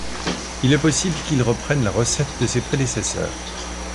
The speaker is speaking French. Il est possible qu'il reprenne la recette de ses prédécesseurs.